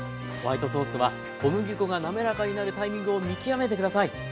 ホワイトソースは小麦粉が滑らかになるタイミングを見極めて下さい。